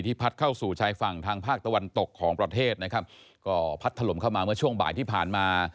พัดเข้าสู่ชายฝั่งทางภาคตะวันตกของประเทศนะครับก็พัดถล่มเข้ามาเมื่อช่วงบ่ายที่ผ่านมา